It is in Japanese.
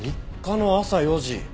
３日の朝４時。